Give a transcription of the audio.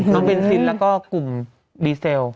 เบนซินแล้วก็กลุ่มดีเซล